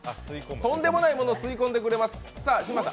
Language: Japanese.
とんでもないものを吸い込んでくれます。